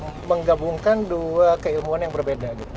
karena ternyata menggabungkan dua keilmuan yang berbeda gitu ya